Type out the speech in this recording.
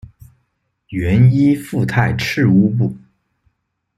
原依附泰赤乌部。